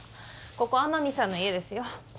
ここ天海さんの家ですよ